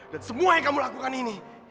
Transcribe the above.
dan semua yang kamu lakukan ini